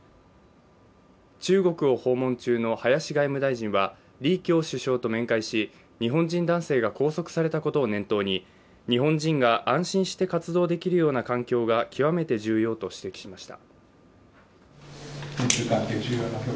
中国を訪問中の林外務大臣は、李強首相と面会し、日本人男性が拘束されたことを念頭に、日本人が安心して活動できるような環境が極めて重要と指摘しました。